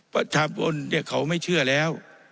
ประชาบนเนี่ยเขาไม่เชื่อแล้ว